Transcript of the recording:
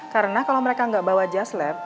karena kalau mereka gak bawa jazz lab